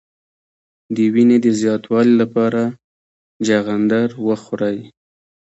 د وینې د زیاتوالي لپاره چغندر وخورئ